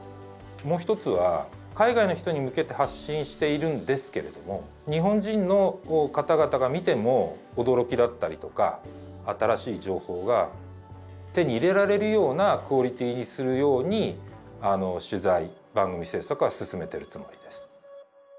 もう一つは海外の人に向けて発信しているんですけれども日本人の方々が見ても驚きだったりとか新しい情報が手に入れられるようなクオリティーにするように取材・番組制作は進めてるつもりです。